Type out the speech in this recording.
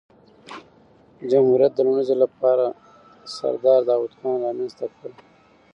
جمهوریت د لومړي ځل له پاره سردار داود خان رامنځ ته کړ.